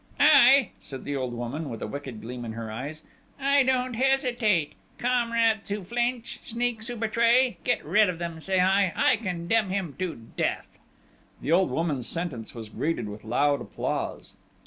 "I," said the old woman, with a wicked gleam in her eyes. "I don't hesitate!... Comrades who flinch, sneaks who betray, get rid of them, say I!... I condemn him to death!..." The old woman's sentence was greeted with loud applause.